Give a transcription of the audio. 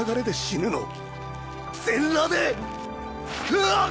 うわっ！